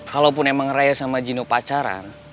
kalaupun emang raya sama gino pacaran